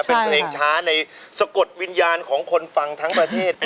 เป็นเพลงช้าในสะกดวิญญาณของคนฟังทั้งประเทศ